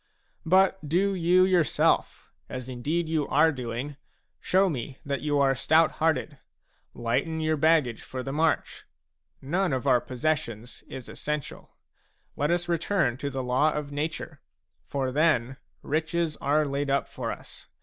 But do you yourself, as indeed you are doing, show me that you are stout hearted ; lighten your baggage for the march. None of our possessions is essential. Let us return to the law of nature; for then riches are laid up for us.